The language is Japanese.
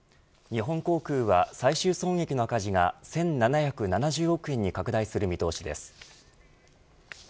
日本航空は最終損益の赤字が１７７０億円に拡大する見通しです。